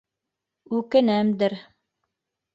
Үкенәмдер.